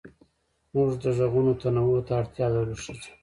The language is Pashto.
موږ د غږونو تنوع ته اړتيا لرو ښځې